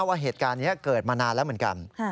ว่าเหตุการณ์นี้เกิดมานานแล้วเหมือนกัน